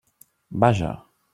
Vaja!